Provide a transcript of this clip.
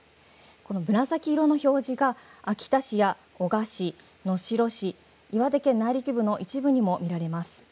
紫色の表示が秋田市や男鹿市、能代市、岩手県内陸部の一部にも見られます。